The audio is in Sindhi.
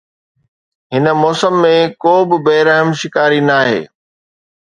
هن موسم ۾ ڪو به بي رحم شڪاري ناهي